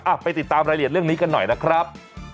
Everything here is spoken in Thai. ไปติดตามรายละเอียดเรื่องนี้กันหน่อยนะครับ